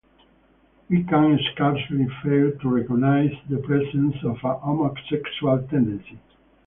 We can scarcely fail to recognize the presence of a homosexual tendency.